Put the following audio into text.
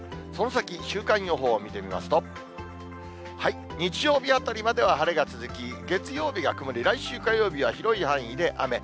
その先、週間予報を見てみますと、日曜日あたりまでは晴れが続き、月曜日が曇り、来週火曜日は広い範囲で雨。